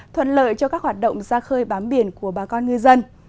thuận lợi cho các hoạt động ra khơi bám biển của bà con ngư dân